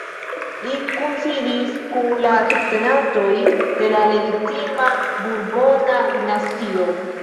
Li kunsidis kun la subtenantoj de la legitima burbona dinastio.